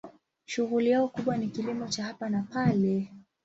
Shughuli yao kubwa ni kilimo cha hapa na pale.